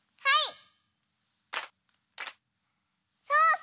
はい！